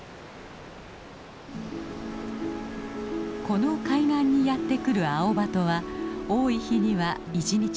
この海岸にやって来るアオバトは多い日には１日３，０００羽以上。